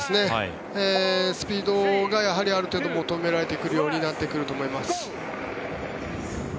スピードがやはりある程度求められてくることになってくると思います。